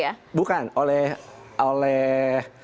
yang bisa disampaikan oleh